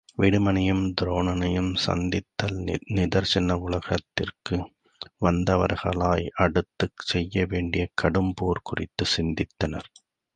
விடுமனையும் துரோணனனையும் சந்தித்தல் நிதரிசன உலகத்துக்கு வந்தவர்களாய் அடுத்துச் செய்ய வேண்டிய கடும் போர் குறித்துச் சிந்தித்தனர்.